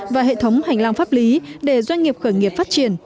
và hệ thống hành lang pháp lý để doanh nghiệp khởi nghiệp phát triển